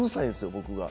僕が。